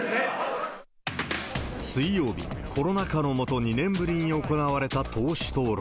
水曜日、コロナ禍の下、２年ぶりに行われた党首討論。